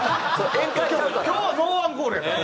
今日はノーアンコールやで。